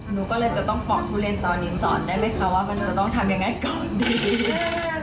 หนูก็เลยจะต้องปอกทุเรียนตอนนี้สอนได้ไหมคะว่ามันจะต้องทำยังไงก่อนดี